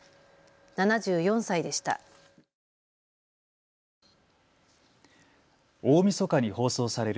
７４歳でした。